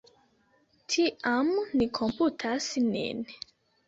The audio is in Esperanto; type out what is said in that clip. Tiam, ni komputas nin.